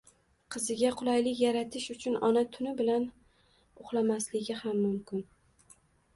Qiziga qulaylik yaratish uchun ona tuni bilan uxlamasligi ham mumkin.